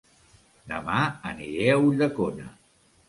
Dema aniré a Ulldecona